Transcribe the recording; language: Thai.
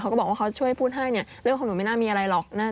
ก็บอกว่าเขาช่วยพูดให้เนี่ยเรื่องของหนูไม่น่ามีอะไรหรอก